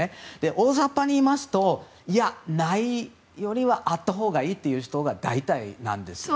大雑把に言いますとないよりはあったほうがいいという人が大体なんですね。